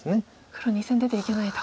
黒２線出ていけないと。